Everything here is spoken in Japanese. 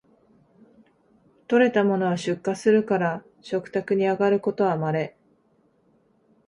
採れたものは出荷するから食卓にあがることはまれ